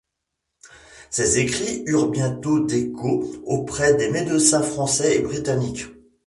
Ces écrits eurent beaucoup d'écho auprès des médecins français et britanniques.